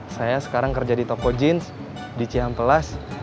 saya sekarang kerja di toko jeans di cihampelas